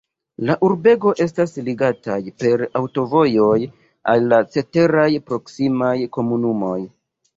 La urbego estas ligataj per aŭtovojoj al la ceteraj proksimaj komunumoj.